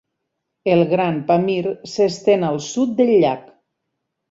El Gran Pamir s'estén al sud del llac.